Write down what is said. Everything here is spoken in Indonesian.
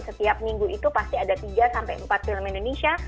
setiap minggu itu pasti ada tiga sampai empat film indonesia